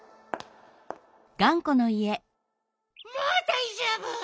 もうだいじょうぶ！